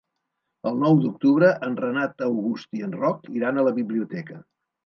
El nou d'octubre en Renat August i en Roc iran a la biblioteca.